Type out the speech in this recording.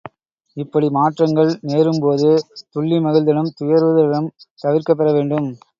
இப்படி மாற்றங்கள் நேரும்போது துள்ளி மகிழ்தலும் துயருறுதலும் தவிர்க்கப் பெறவேண்டும்.